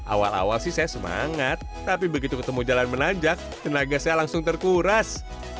awal awal sih saya semangat tapi begitu ketemu jalan menanjak tenaga saya langsung terkuras